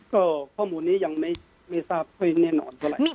ก็ข้อมูลนี้ยังไม่ทราบคุยแน่นอนสักไร